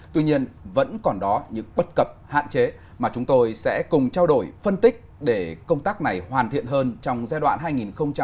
tuy nhiên vẫn còn đó những bất cập hạn chế mà chúng tôi sẽ cùng trao đổi phân tích để công tác này hoàn thiện hơn trong giai đoạn hai nghìn một mươi sáu hai nghìn hai mươi